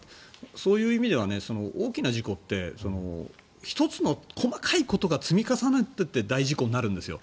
そういう意味では大きな事故って１つの細かいことが積み重なっていって大事故になるんですよ。